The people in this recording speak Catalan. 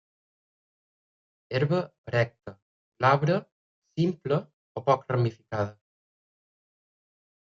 Herba erecta, glabra, simple o poc ramificada.